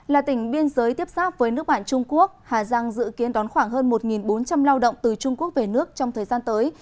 là tỉnh biên giới tiếp xác với nước bạn trung quốc hà giang dự kiến đón khoảng hơn một bốn trăm linh lao động từ trung quốc về nước trong thời gian tới